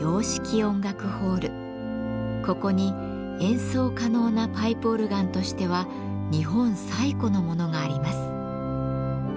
ここに演奏可能なパイプオルガンとしては日本最古のものがあります。